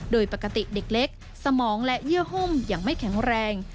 โดยปกติเด็กเล็กสมองและเยื่อหุ้มยังไม่แข็งแรง